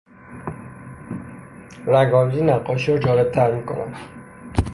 رنگآمیزی نقاشی را جالبتر میکند.